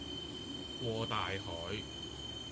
過大海